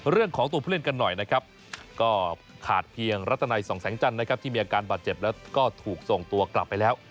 เรื่องของตัวผู้เล่นกันหน่อยนะครับก็ขาดเพียงรัตนัยสองแสงจันทร์นะครับที่มีอาการบาดเจ็บแล้วก็ถูกส่งตัวกลับไปแล้ว